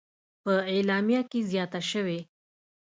په اعلامیه کې زیاته شوې: